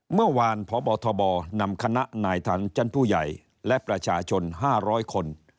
เมื่อวานพบทบนำคณะนายทันชั้นผู้ใหญ่และประชาชน๕๐๐คน